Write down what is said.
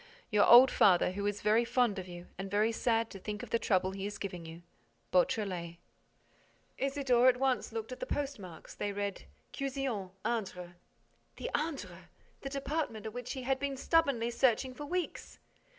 Your old father, who is very fond of you and very sad to think of the trouble he is giving you, BEAUTRELET. Isidore at once looked at the postmarks. They read, "Cuzion, Indre." The Indre! The department which he had been stubbornly searching for weeks!